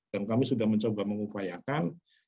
dan kami sudah mencoba mengupayakan